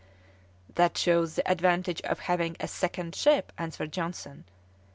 "That shows the advantage of having a second ship," answered Johnson.